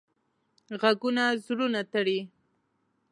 غږونه زړونه تړي